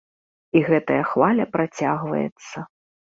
І гэтая хваля працягваецца.